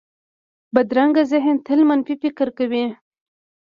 بدرنګه ذهن تل منفي فکر کوي